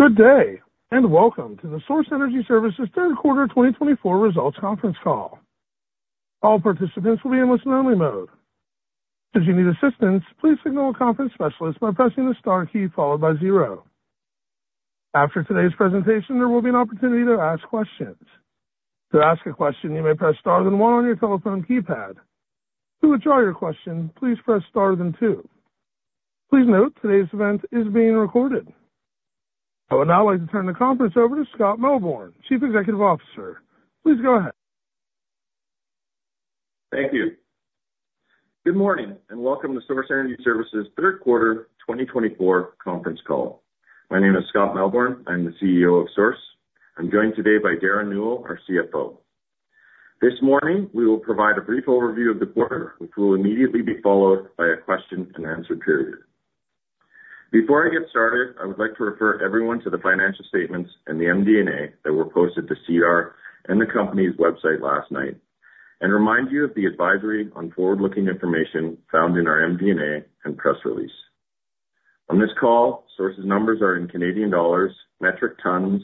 Good day, and welcome to the Source Energy Services Third Quarter 2024 results conference call. All participants will be in listen-only mode. If you need assistance, please signal a conference specialist by pressing the star key followed by zero. After today's presentation, there will be an opportunity to ask questions. To ask a question, you may press star then one on your telephone keypad. To withdraw your question, please press star then two. Please note today's event is being recorded. I would now like to turn the conference over to Scott Melbourn, Chief Executive Officer. Please go ahead. Thank you. Good morning, and welcome to Source Energy Services Third Quarter 2024 conference call. My name is Scott Melbourn. I'm the CEO of Source. I'm joined today by Derren Newell, our CFO. This morning, we will provide a brief overview of the quarter, which will immediately be followed by a question-and-answer period. Before I get started, I would like to refer everyone to the financial statements and the MD&A that were posted to CR and the company's website last night, and remind you of the advisory on forward-looking information found in our MD&A and press release. On this call, Source's numbers are in Canadian dollars, metric tons,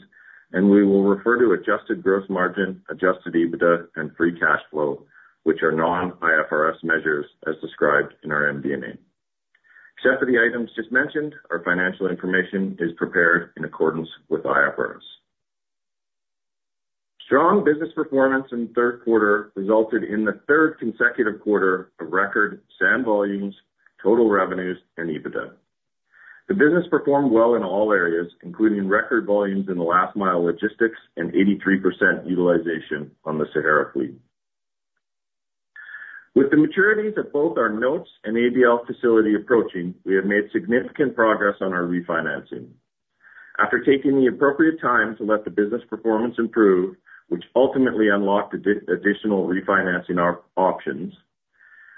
and we will refer to adjusted gross margin, adjusted EBITDA, and free cash flow, which are non-IFRS measures as described in our MD&A. Except for the items just mentioned, our financial information is prepared in accordance with IFRS. Strong business performance in the third quarter resulted in the third consecutive quarter of record sand volumes, total revenues, and EBITDA. The business performed well in all areas, including record volumes in the last-mile logistics and 83% utilization on the Sahara fleet. With the maturities of both our notes and ABL facility approaching, we have made significant progress on our refinancing. After taking the appropriate time to let the business performance improve, which ultimately unlocked additional refinancing options,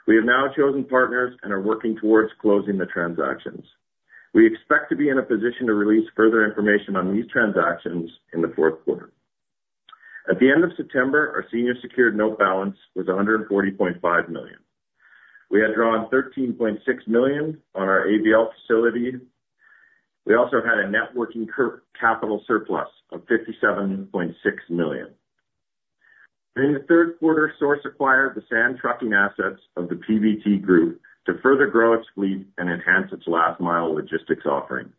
we have now chosen partners and are working towards closing the transactions. We expect to be in a position to release further information on these transactions in the fourth quarter. At the end of September, our senior secured note balance was 140.5 million. We had drawn 13.6 million on our ABL facility. We also had a net working capital surplus of 57.6 million. In the third quarter, Source acquired the sand trucking assets of the PVT Group to further grow its fleet and enhance its last-mile logistics offering.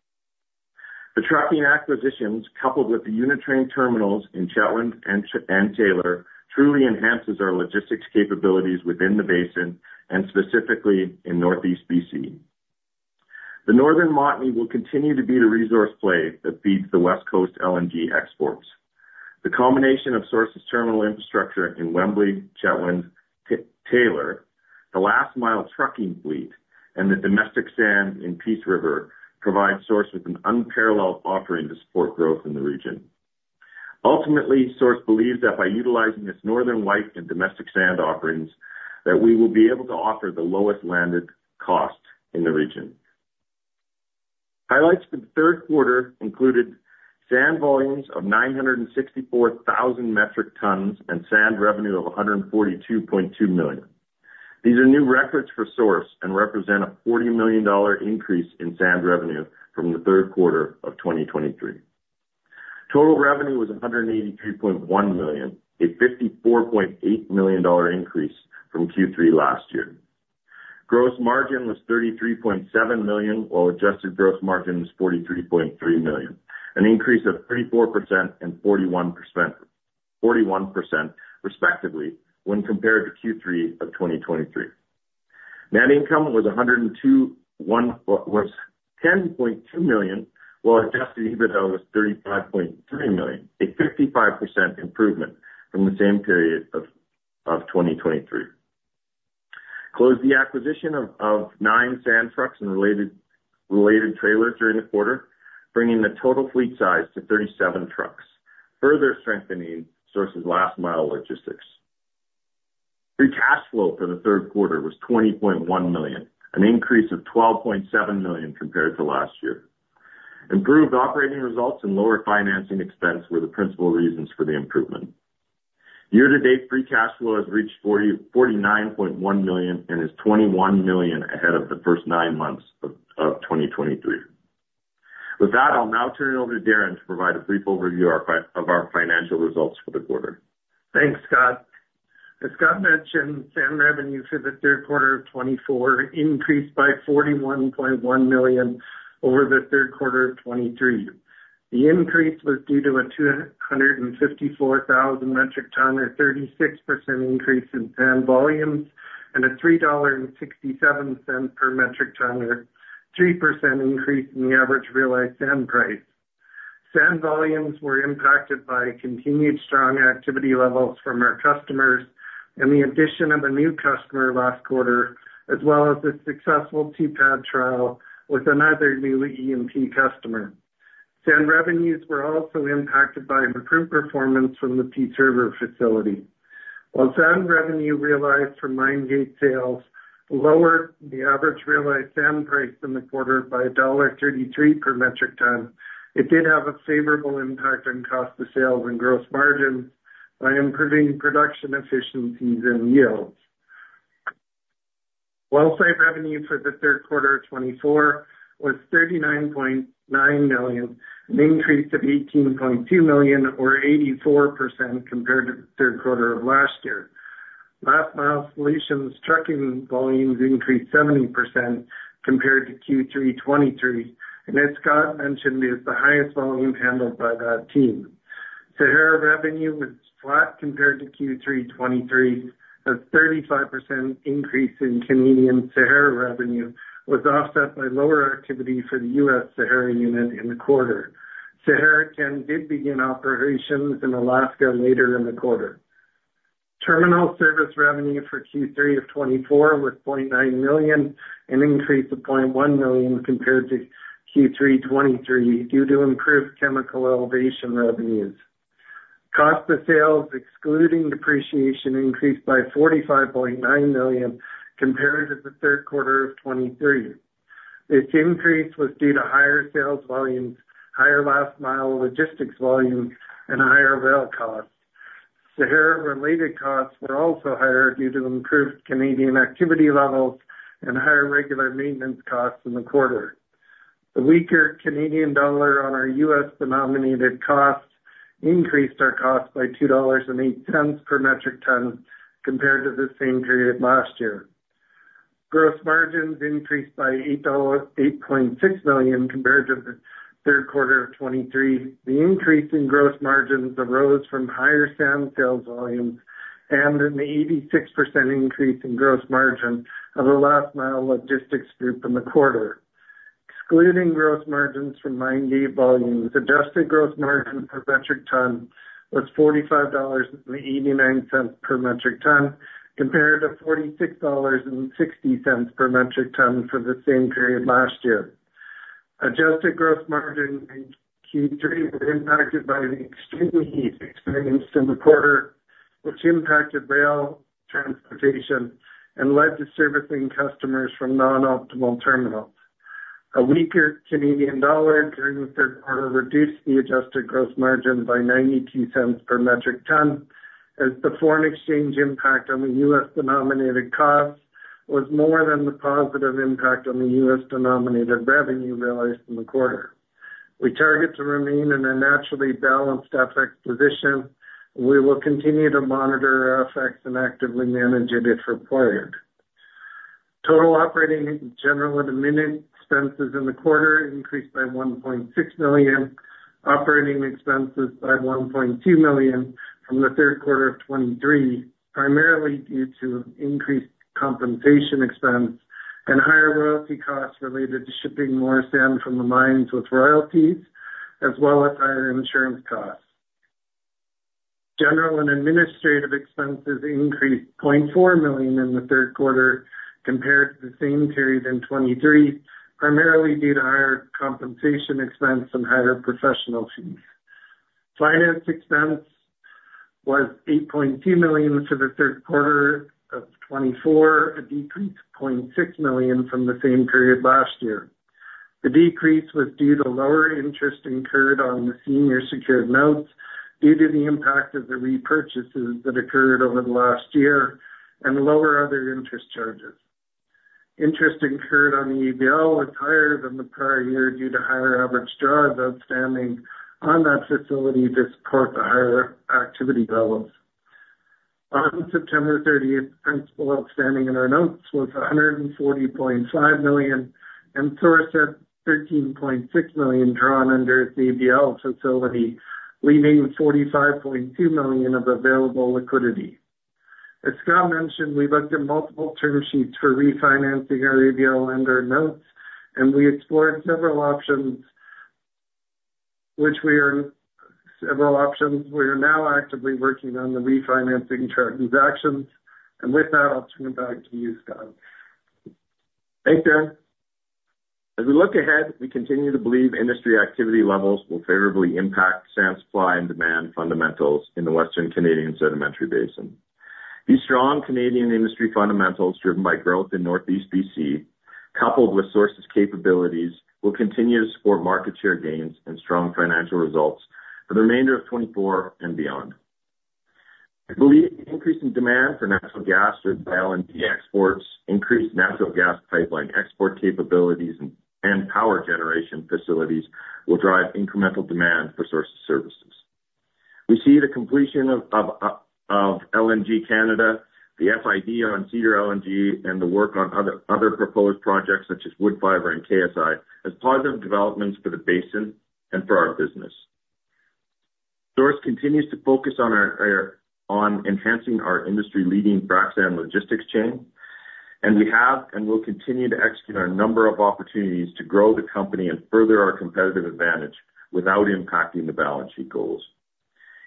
The trucking acquisitions, coupled with the unit train terminals in Chetwynd and Taylor, truly enhance our logistics capabilities within the basin and specifically in Northeast BC. The Northern Montney will continue to be the resource play that feeds the West Coast LNG exports. The combination of Source's terminal infrastructure in Wembley, Chetwynd, Taylor, the last-mile trucking fleet, and the domestic sand in Peace River provides Source with an unparalleled offering to support growth in the region. Ultimately, Source believes that by utilizing its Northern White and domestic sand offerings, we will be able to offer the lowest landed cost in the region. Highlights for the third quarter included sand volumes of 964,000 metric tons and sand revenue of 142.2 million. These are new records for Source and represent a 40 million dollar increase in sand revenue from the third quarter of 2023. Total revenue was 183.1 million, a 54.8 million dollar increase from Q3 last year. Gross margin was 33.7 million, while Adjusted gross margin was 43.3 million, an increase of 34% and 41% respectively, when compared to Q3 of 2023. Net income was 10.2 million, while adjusted EBITDA was 35.3 million, a 55% improvement from the same period of 2023. Closed the acquisition of nine sand trucks and related trailers during the quarter, bringing the total fleet size to 37 trucks, further strengthening Source's last-mile logistics. Free cash flow for the third quarter was 20.1 million, an increase of 12.7 million compared to last year. Improved operating results and lower financing expense were the principal reasons for the improvement. Year-to-date free cash flow has reached 49.1 million and is 21 million ahead of the first nine months of 2023. With that, I'll now turn it over to Derren to provide a brief overview of our financial results for the quarter. Thanks, Scott. As Scott mentioned, sand revenue for the third quarter of 2024 increased by 41.1 million over the third quarter of 2023. The increase was due to a 254,000 metric ton or 36% increase in sand volumes and a $3.67 per metric ton, a 3% increase in the average realized sand price. Sand volumes were impacted by continued strong activity levels from our customers and the addition of a new customer last quarter, as well as a successful [TPAD] trial with another new E&P customer. Sand revenues were also impacted by improved performance from the Peace River facility. While sand revenue realized from mine gate sales lowered the average realized sand price in the quarter by $1.33 per metric ton, it did have a favorable impact on cost of sales and gross margins by improving production efficiencies and yields. Wellsite revenue for the third quarter of 2024 was 39.9 million, an increase of 18.2 million, or 84% compared to the third quarter of last year. Last-mile solutions trucking volumes increased 70% compared to Q3 2023, and as Scott mentioned, it is the highest volume handled by that team. Sahara revenue was flat compared to Q3 2023. A 35% increase in Canadian Sahara revenue was offset by lower activity for the US Sahara unit in the quarter. Sahara Canada did begin operations in Alaska later in the quarter. Terminal service revenue for Q3 of 2024 was 0.9 million, an increase of 0.1 million compared to Q3 2023 due to improved chemical blending revenues. Cost of sales, excluding depreciation, increased by 45.9 million compared to the third quarter of 2023. This increase was due to higher sales volumes, higher last-mile logistics volumes, and higher rail costs. Sahara-related costs were also higher due to improved Canadian activity levels and higher regular maintenance costs in the quarter. The weaker Canadian dollar on our U.S.-denominated costs increased our cost by 2.08 dollars per metric ton compared to the same period last year. Gross margins increased by 8.6 million compared to the third quarter of 2023. The increase in gross margins arose from higher sand sales volumes and an 86% increase in gross margin of the last-mile logistics group in the quarter. Excluding gross margins from mine gate volumes, adjusted gross margin per metric ton was 45.89 dollars per metric ton compared to 46.60 dollars per metric ton for the same period last year. Adjusted gross margin in Q3 was impacted by the extreme heat experienced in the quarter, which impacted rail transportation and led to servicing customers from non-optimal terminals. A weaker Canadian dollar during the third quarter reduced the adjusted gross margin by 0.92 per metric ton, as the foreign exchange impact on the U.S.-denominated costs was more than the positive impact on the U.S.-denominated revenue realized in the quarter. We target to remain in a naturally balanced FX position, and we will continue to monitor our FX and actively manage it if required. Total operating general and administrative expenses in the quarter increased by 1.6 million, operating expenses by 1.2 million from the third quarter of 2023, primarily due to increased compensation expense and higher royalty costs related to shipping more sand from the mines with royalties, as well as higher insurance costs. General and administrative expenses increased 0.4 million in the third quarter compared to the same period in 2023, primarily due to higher compensation expense and higher professional fees. Finance expense was 8.2 million for the third quarter of 2024, a decrease of 0.6 million from the same period last year. The decrease was due to lower interest incurred on the senior secured notes due to the impact of the repurchases that occurred over the last year and lower other interest charges. Interest incurred on the ABL was higher than the prior year due to higher average draws outstanding on that facility to support the higher activity levels. On September 30th, principal outstanding in our notes was 140.5 million, and Source had 13.6 million drawn under its ABL facility, leaving 45.2 million of available liquidity. As Scott mentioned, we looked at multiple term sheets for refinancing our ABL and our notes, and we explored several options, which we are several options. We are now actively working on the refinancing transactions, and with that, I'll turn it back to you, Scott. Thank you, Derren. As we look ahead, we continue to believe industry activity levels will favorably impact sand supply and demand fundamentals in the Western Canadian Sedimentary Basin. These strong Canadian industry fundamentals driven by growth in Northeast BC, coupled with Source's capabilities, will continue to support market share gains and strong financial results for the remainder of 2024 and beyond. We believe increasing demand for natural gas or LNG exports, increased natural gas pipeline export capabilities, and power generation facilities will drive incremental demand for Source's services. We see the completion of LNG Canada, the FID on Cedar LNG, and the work on other proposed projects, such as Woodfibre and Ksi, as positive developments for the basin and for our business. Source continues to focus on enhancing our industry-leading frac sand logistics chain, and we have and will continue to execute a number of opportunities to grow the company and further our competitive advantage without impacting the balance sheet goals.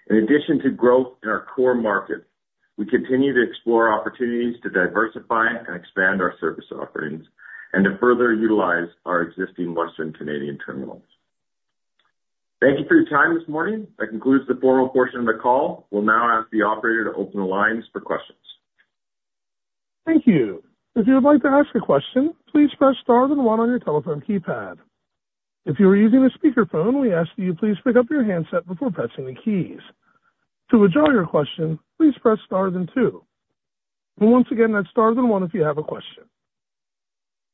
In addition to growth in our core market, we continue to explore opportunities to diversify and expand our service offerings and to further utilize our existing Western Canadian terminals. Thank you for your time this morning. That concludes the formal portion of the call. We'll now ask the operator to open the lines for questions. Thank you. If you would like to ask a question, please press star then one on your telephone keypad. If you are using a speakerphone, we ask that you please pick up your handset before pressing the keys. To withdraw your question, please press star then two. And once again, that's star then one if you have a question.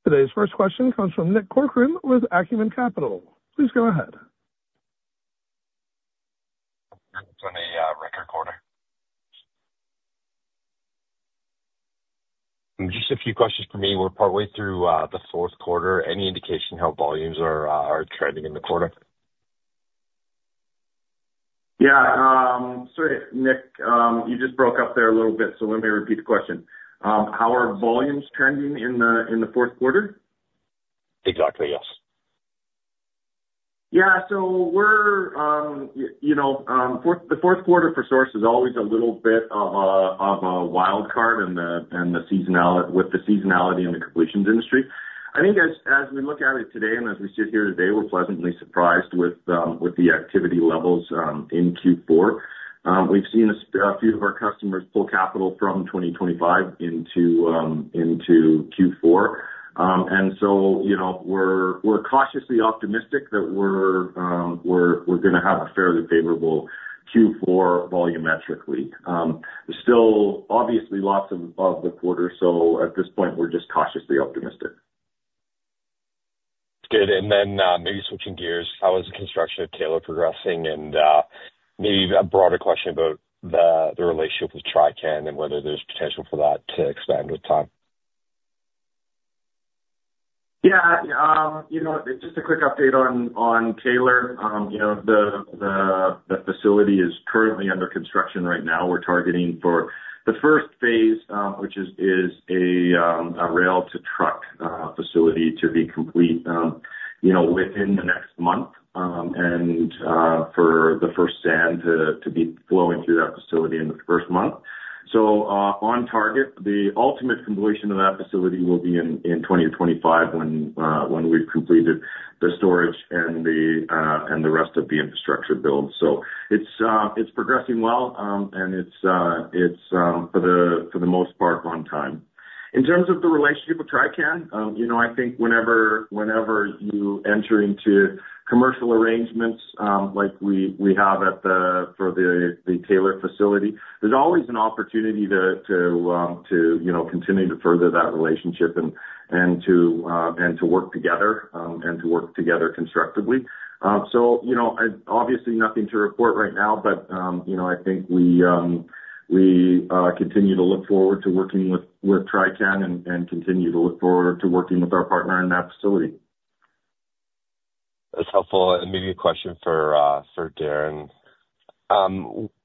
Today's first question comes from Nick Corcoran with Acumen Capital. Please go ahead. It's in a record quarter. Just a few questions for me. We're partway through the fourth quarter. Any indication of how volumes are trending in the quarter? Yeah. Sorry, Nick, you just broke up there a little bit, so let me repeat the question. How are volumes trending in the fourth quarter? Exactly, yes. Yeah. So, the fourth quarter for Source is always a little bit of a wild card and the seasonality in the completions industry. I think as we look at it today and as we sit here today, we're pleasantly surprised with the activity levels in Q4. We've seen a few of our customers pull capital from 2025 into Q4. And so we're cautiously optimistic that we're going to have a fairly favorable Q4 volumetrically. There's still obviously lots of the quarter, so at this point, we're just cautiously optimistic. Good. And then maybe switching gears, how is the construction of Taylor progressing? And maybe a broader question about the relationship with Trican and whether there's potential for that to expand with time. Yeah. Just a quick update on Taylor. The facility is currently under construction right now. We're targeting for the first phase, which is a rail-to-truck facility to be complete within the next month and for the first sand to be flowing through that facility in the first month. So on target, the ultimate completion of that facility will be in 2025 when we've completed the storage and the rest of the infrastructure build. So it's progressing well, and it's, for the most part, on time. In terms of the relationship with Trican, I think whenever you enter into commercial arrangements like we have for the Taylor facility, there's always an opportunity to continue to further that relationship and to work together and to work together constructively. So obviously, nothing to report right now, but I think we continue to look forward to working with Trican and continue to look forward to working with our partner in that facility. That's helpful, and maybe a question for Derren.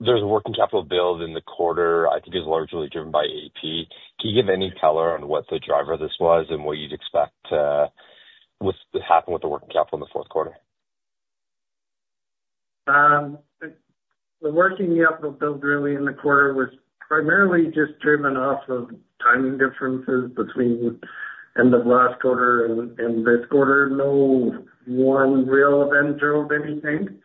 There's a working capital build in the quarter, I think it's largely driven by AP. Can you give any color on what the driver of this was and what you'd expect to happen with the working capital in the fourth quarter? The working capital build really in the quarter was primarily just driven off of timing differences between the end of last quarter and this quarter. No one real event drove anything.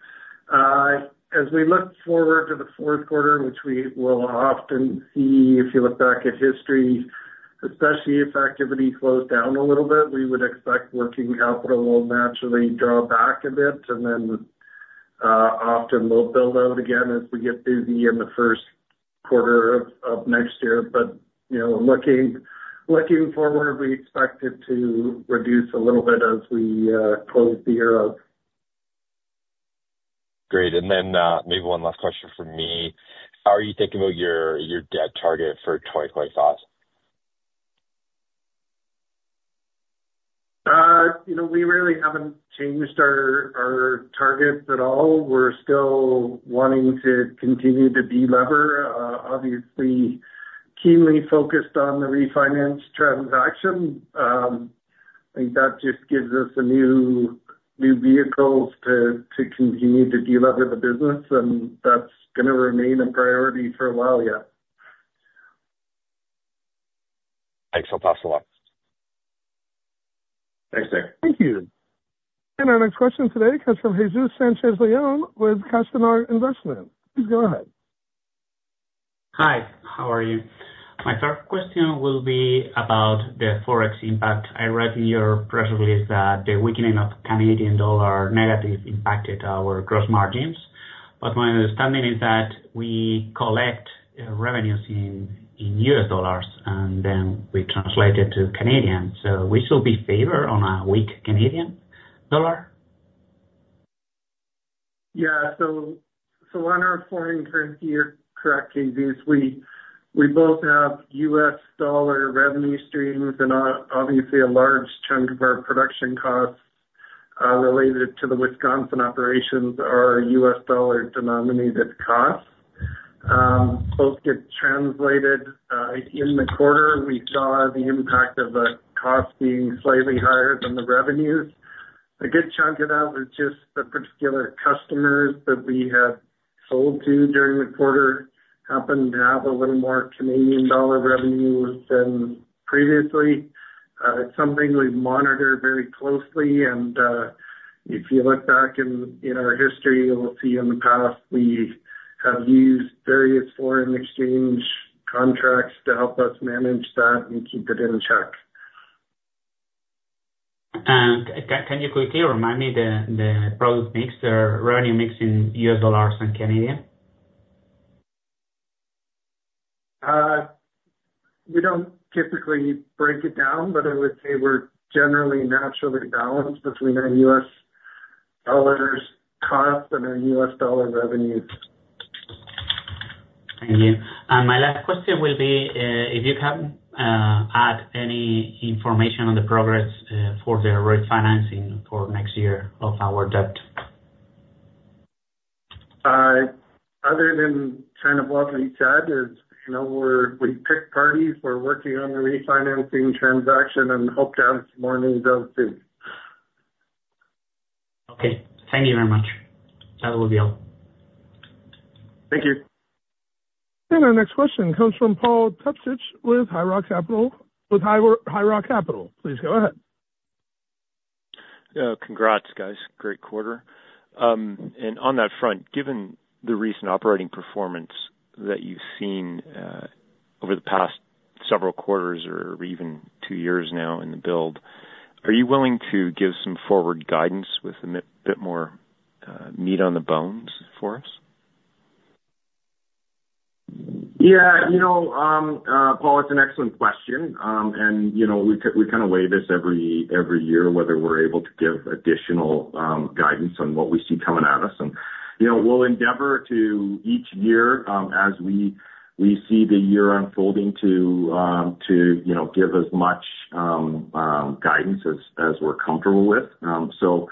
As we look forward to the fourth quarter, which we will often see if you look back at history, especially if activity slows down a little bit, we would expect working capital will naturally draw back a bit and then often will build out again as we get busy in the first quarter of next year. But looking forward, we expect it to reduce a little bit as we close the year out. Great. And then maybe one last question for me. How are you thinking about your debt target for 2025? We really haven't changed our targets at all. We're still wanting to continue to deliver. Obviously, keenly focused on the refinance transaction. I think that just gives us a new vehicle to continue to deliver the business, and that's going to remain a priority for a while yet. Excellent. Thanks alot. Thanks, Nick. Thank you. And our next question today comes from Jesús Sánchez León with Castanar Investment. Please go ahead. Hi, how are you? My third question will be about the forex impact. I read in your press release that the weakening of Canadian dollar negative impacted our gross margins. But my understanding is that we collect revenues in US dollars, and then we translate it to Canadian. So we should be favored on a weak Canadian dollar? Yeah. So on our foreign currency you're correct, Jesús, we both have U.S. dollar revenue streams and obviously a large chunk of our production costs related to the Wisconsin operations are U.S. dollar-denominated costs. Both get translated. In the quarter, we saw the impact of the costs being slightly higher than the revenues. A good chunk of that was just the particular customers that we had sold to during the quarter happened to have a little more Canadian dollar revenue than previously. It's something we monitor very closely, and if you look back in our history, you'll see in the past we have used various foreign exchange contracts to help us manage that and keep it in check. Can you quickly remind me the product mix or revenue mix in U.S. dollars and Canadian dollars? We don't typically break it down, but I would say we're generally naturally balanced between our U.S. dollar costs and our U.S. dollar revenues. Thank you. My last question will be if you can add any information on the progress for the refinancing for next year of our debt? Other than kind of what we said, we picked parties. We're working on the refinancing transaction and hope to have some more news out soon. Okay. Thank you very much. That will be all. Thank you. Our next question comes from Paul Tepsich with High Rock Capital. Please go ahead. Congrats, guys. Great quarter. And on that front, given the recent operating performance that you've seen over the past several quarters or even two years now in the build, are you willing to give some forward guidance with a bit more meat on the bones for us? Yeah. You know, Paul, it's an excellent question. And we kind of weigh this every year, whether we're able to give additional guidance on what we see coming at us. And we'll endeavor to each year as we see the year unfolding to give as much guidance as we're comfortable with. So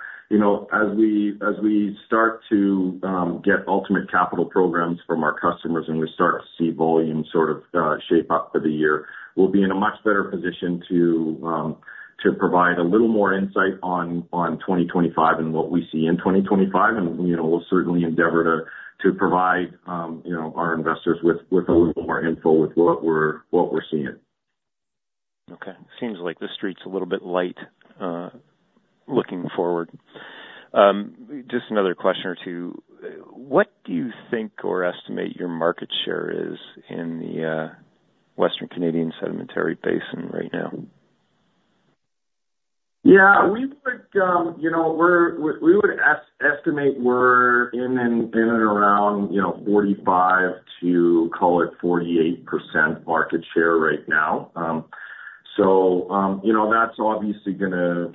as we start to get ultimate capital programs from our customers and we start to see volume sort of shape up for the year, we'll be in a much better position to provide a little more insight on 2025 and what we see in 2025. And we'll certainly endeavor to provide our investors with a little more info with what we're seeing. Okay. Seems like the street's a little bit light looking forward. Just another question or two. What do you think or estimate your market share is in the Western Canadian Sedimentary Basin right now? Yeah. We would estimate we're in and around 45% to, call it, 48% market share right now. So that's obviously going to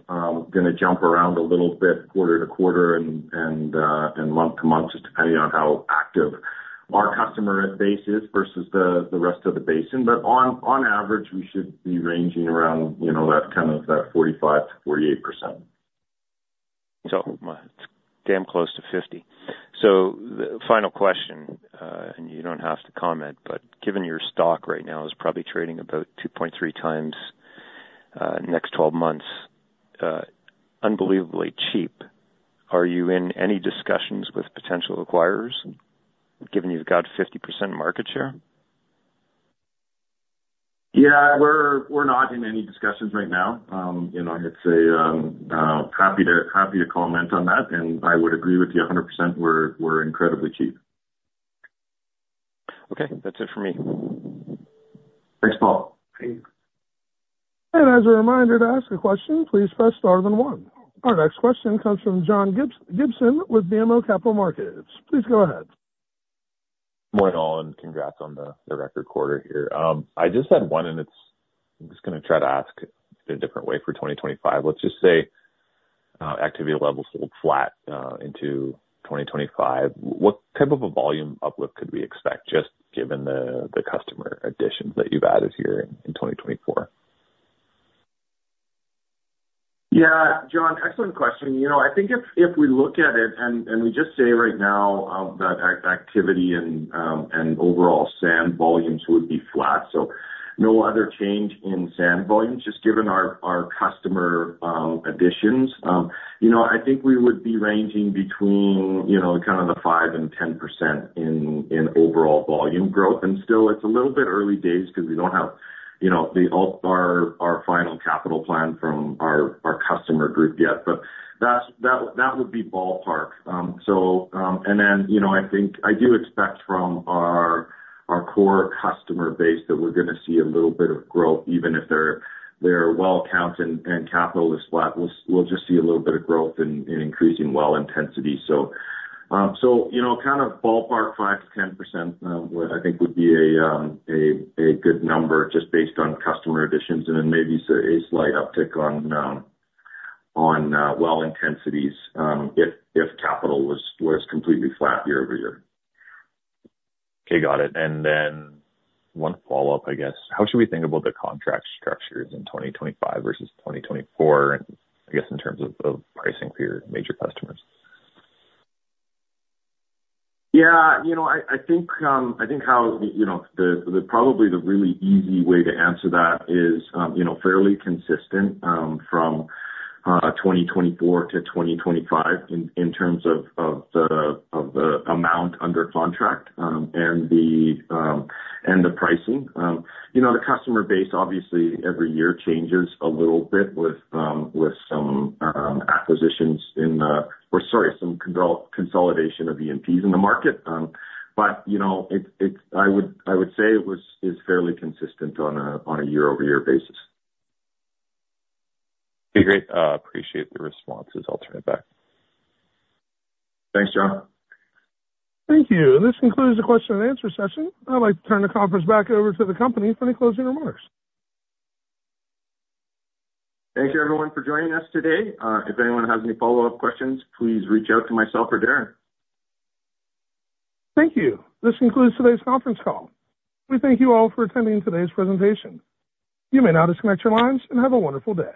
jump around a little bit quarter to quarter and month to month, just depending on how active our customer base is versus the rest of the basin. But on average, we should be ranging around that kind of that 45%-48%. So it's damn close to 50%. So final question, and you don't have to comment, but given your stock right now is probably trading about 2.3 times next 12 months, unbelievably cheap, are you in any discussions with potential acquirers given you've got 50% market share? Yeah. We're not in any discussions right now. I'd say happy to comment on that. And I would agree with you 100%. We're incredibly cheap. Okay. That's it for me. Thanks, Paul. Thanks. As a reminder to ask a question, please press star then one. Our next question comes from John Gibson with BMO Capital Markets. Please go ahead. Morning, all, and congrats on the record quarter here. I just had one, and I'm just going to try to ask in a different way for 2025. Let's just say activity levels hold flat into 2025. What type of a volume uplift could we expect just given the customer additions that you've added here in 2024? Yeah, John, excellent question. I think if we look at it and we just say right now that activity and overall sand volumes would be flat. So no other change in sand volumes just given our customer additions. I think we would be ranging between kind of 5%-10% in overall volume growth. And still, it's a little bit early days because we don't have our final capital plan from our customer group yet. But that would be ballpark. And then I think I do expect from our core customer base that we're going to see a little bit of growth, even if their well account and capital is flat. We'll just see a little bit of growth in increasing well intensity. So kind of ballpark 5%-10%, I think, would be a good number just based on customer additions and then maybe a slight uptick on well intensities if capital was completely flat year over year. Okay. Got it. And then one follow-up, I guess. How should we think about the contract structures in 2025 versus 2024, I guess, in terms of pricing for your major customers? Yeah. I think how probably the really easy way to answer that is fairly consistent from 2024 to 2025 in terms of the amount under contract and the pricing. The customer base, obviously, every year changes a little bit with some acquisitions in the, or sorry, some consolidation of E&Ps in the market. But I would say it is fairly consistent on a year-over-year basis. Okay. Great. Appreciate the responses. I'll turn it back. Thanks, John. Thank you and this concludes the question-and-answer session. I'd like to turn the conference back over to the company for any closing remarks. Thank you, everyone, for joining us today. If anyone has any follow-up questions, please reach out to myself or Derren. Thank you. This concludes today's conference call. We thank you all for attending today's presentation. You may now disconnect your lines and have a wonderful day.